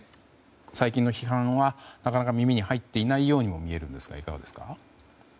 最近の批判はなかなか耳に入っていないように見えるんですが、いかがですか？